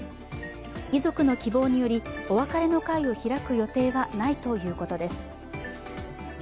遺族の希望により、お別れの会を開く予定はないということです。